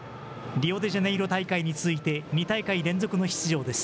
リオデジャネイロ大会に続いて２大会連続の出場です。